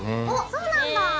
おっそうなんだ。